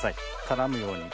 絡むように。